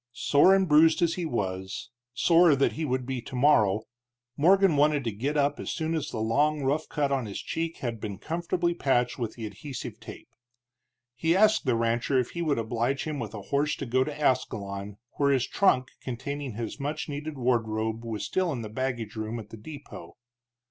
Sore and bruised as he was, sorer that he would be tomorrow, Morgan wanted to get up as soon as the long rough cut on his cheek had been comfortably patched with adhesive tape. He asked the rancher if he would oblige him with a horse to go to Ascalon, where his trunk containing his much needed wardrobe was still in the baggage room at the depot.